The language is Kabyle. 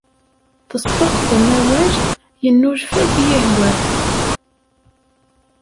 Tesṭuqtem awal, yennulfa-d yihwah.